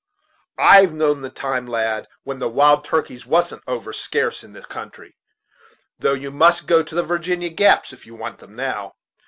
I've known the time, lad, when the wild turkeys wasn't over scarce in the country; though you must go into the Virginia gaps if you want them now.